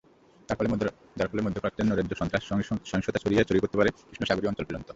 তার ফলে মধ্যপ্রাচ্যের নৈরাজ্য, সন্ত্রাস, সহিংসতা ছড়িয়ে পড়তে পারে কৃষ্ণসাগরীয় অঞ্চল পর্যন্ত।